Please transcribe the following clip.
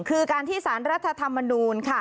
คือการที่สารรัฐธรรมนูลค่ะ